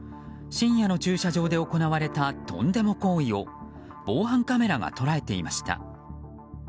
深夜の駐車場で行われたとんでも行為を防犯カメラが捉えていました。